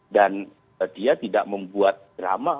dia tidak membuat drama